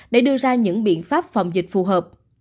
để đưa ra những biện pháp phòng dịch phù hợp